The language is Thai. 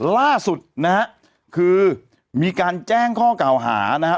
ล่าสุดนะฮะคือมีการแจ้งข้อกล่าวหานะครับ